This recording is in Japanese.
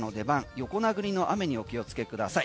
横殴りの雨にお気をつけください。